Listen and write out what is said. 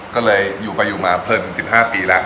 ก็เลยอยู่ไปอยู่มาเพลินเป็น๑๕ปีแล้ว